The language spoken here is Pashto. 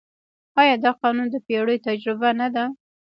آیا دا قانون د پېړیو تجربه نه ده؟